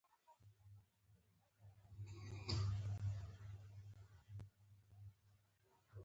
بمب غورځوونکې الوتکې غواړي